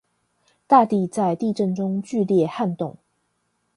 大地在地震中劇烈撼動